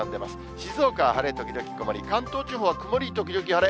静岡は晴れ時々曇り、関東地方は曇り時々晴れ。